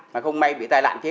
mà không may bị tai lạc thế